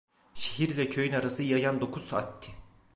Şehirle köyün arası yayan dokuz saatti.